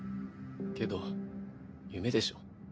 けど夢でしょ。